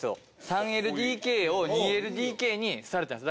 ３ＬＤＫを２ＬＤＫにされたんす。